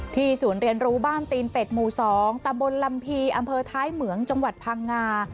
ศูนย์เรียนรู้บ้านตีนเป็ดหมู่๒ตำบลลำพีอำเภอท้ายเหมืองจังหวัดพังงา